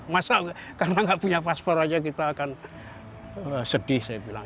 masa karena nggak punya paspor aja kita akan sedih saya bilang